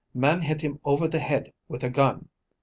Man hit him over the head with a gun.